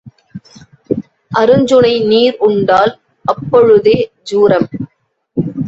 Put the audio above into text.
அருஞ்சுனை நீர் உண்டால் அப்பொழுதே ஜூரம்.